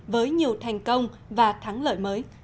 với nhiều thành công và thắng lợi mới